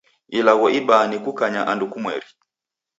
Ilagho ibaa ni kukanya andu kumweri.